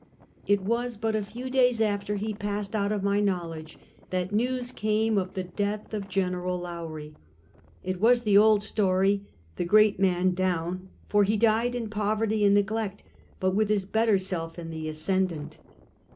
It was but a few days after he passed out of my knowledge that news came of the death of Gen. Low rie. It was the old story, " the great man down," for he died in poverty and neglect, but with his better self in the ascendent.